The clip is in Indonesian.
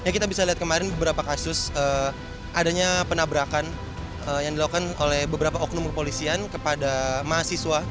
kita bisa lihat kemarin beberapa kasus adanya penabrakan yang dilakukan oleh beberapa oknum kepolisian kepada mahasiswa